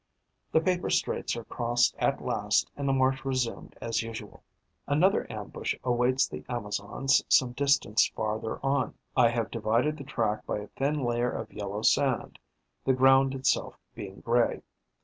The paper straits are crossed at last and the march resumed as usual. Another ambush awaits the Amazons some distance farther on. I have divided the track by a thin layer of yellow sand, the ground itself being grey.